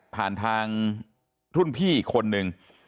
ผ่านทางทุ่นพี่คนหนึ่ง